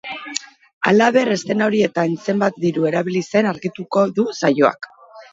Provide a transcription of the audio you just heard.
Halaber, eszena horietan zenbat diru erabili zen argituko du saioak.